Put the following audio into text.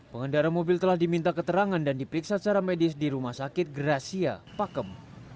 pengendara mobil telah diminta keterangan dan diperiksa secara medis di rumah sakit gracia pakem